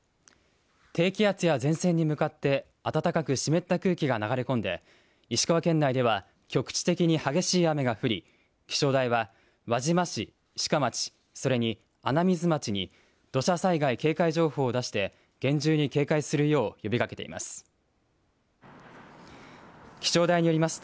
低気圧や前線に向かって暖かく湿った空気が流れ込んで石川県内では局地的に激しい雨が降り、気象台は輪島市、志賀町、それに穴水町に土砂災害警戒情報を出して厳重に警戒するよう呼びかけています。